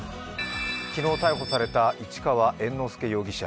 昨日逮捕された市川猿之助容疑者。